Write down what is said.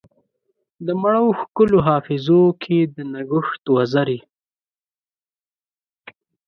د مڼو ښکلو حافظو کې دنګهت وزرې